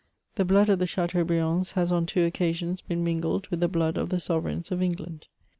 The blood of the Chateaubriands has on two occasions been mingled with the blood of the sovereigns of England.